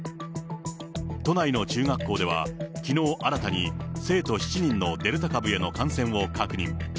都内の中学校では、きのう新たに生徒７人のデルタ株への感染を確認。